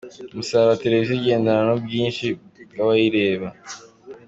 Umusaruro wa Televiziyo ugendana n’ubwinshi bw’abayireba.